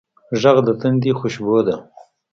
غږ د تندي خوشبو ده